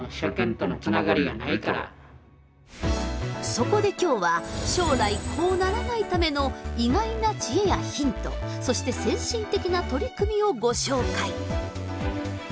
そこで今日は将来こうならないための意外な知恵やヒントそして先進的な取り組みをご紹介！